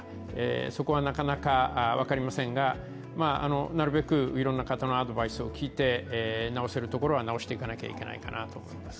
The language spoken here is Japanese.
そこはなかなか分かりませんが、なるべくいろんな方のアドバイスを聞いて直せるところは直していかなきゃいけないかなと思います。